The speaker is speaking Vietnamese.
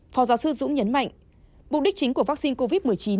phó giáo sư dũng nhấn mạnh mục đích chính của vaccine covid một mươi chín